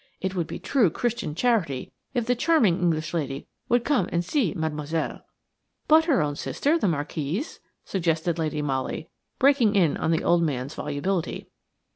It would be true Christian charity if the charming English lady would come and se Mademoiselle. "But her own sister, the Marquise?" suggested Lady Molly, breaking in on the old man's volubility.